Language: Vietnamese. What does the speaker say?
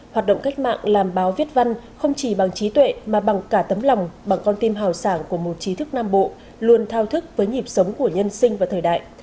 hoạt động cách mạng làm báo viết văn không chỉ bằng trí tuệ mà bằng cả tấm lòng bằng con tim hào sảng của một trí thức nam bộ luôn thao thức với nhịp sống của nhân sinh và thời đại